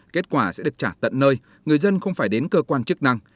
kết quả sẽ được trả tận nơi người dân không phải đến cơ quan chức năng